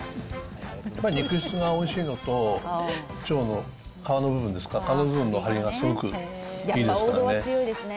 やっぱりね、肉質がおいしいのと、腸の皮の部分ですか、皮の部分の張りがすごくいいですからね。